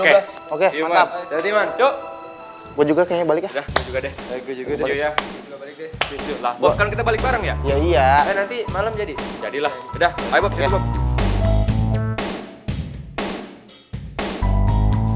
otomatis kalian tidak akan naik kelas